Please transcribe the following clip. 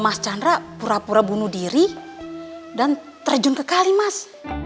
mas chandra pura pura bunuh diri dan terjun ke kalimas